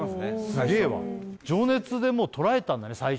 すげえわ「情熱」でもうとらえたんだね